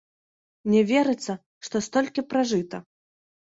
Не верыцца, што столькі пражыта.